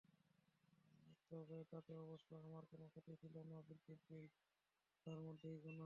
তাতে অবশ্য আমার কোনো ক্ষতি ছিল না, বিদ্যুৎ বিল ভাড়ার মধ্যেই গোনা।